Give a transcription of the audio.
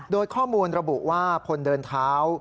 โดยข้อมูลระบุว่าคนเดินเท้า